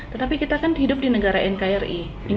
tetapi kita kan hidup di negara nkri